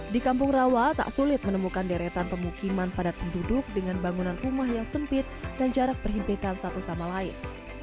di kampung rawa tak sulit menemukan deretan pemukiman padat penduduk dengan bangunan rumah yang sempit dan jarak perhimpitan satu sama lain